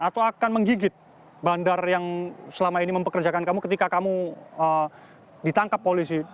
atau akan menggigit bandar yang selama ini mempekerjakan kamu ketika kamu ditangkap polisi